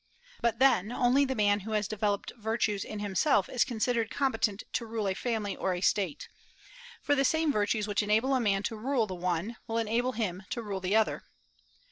But then, only the man who has developed virtues in himself is considered competent to rule a family or a State; for the same virtues which enable a man to rule the one, will enable him to rule the other.